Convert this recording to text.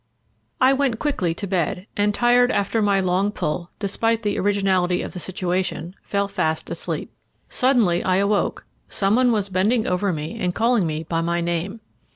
I went quickly to bed, and, tired after my long pull, despite the originality of the situation, fell fast asleep. Suddenly I awoke some one was bending over me and calling me by my name.